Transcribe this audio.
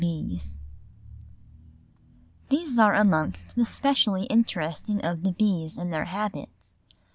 7.] These are amongst the specially interesting of the bees in their habits.